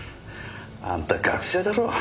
あんた学者だろう？